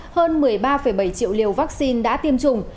hơn một mươi ba bảy triệu liều vaccine đã tiêm chủng